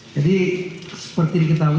jadi seperti kita tahu